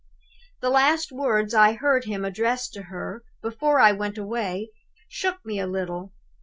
"The last words I heard him address to her, before I went away, shook me a little.